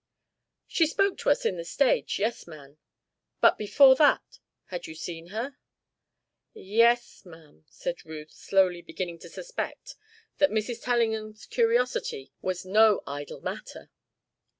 "She spoke to us in the stage yes, ma'am." "But before that you had seen her?" "Ye es, ma'am," said Ruth, slowly, beginning to suspect that Mrs. Tellingham's curiosity was no idle matter.